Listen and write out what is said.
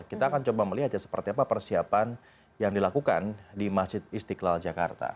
kita akan coba melihat ya seperti apa persiapan yang dilakukan di masjid istiqlal jakarta